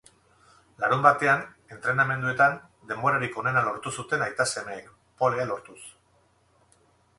Larunbatean, entrenamenduetan, denborarik onena lortu zuten aita-semeek, polea lortuz.